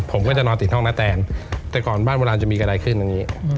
ผมก็จะนอนติดห้องนาแตนแต่ก่อนบ้านโบราณจะมีอะไรขึ้นอย่างนี้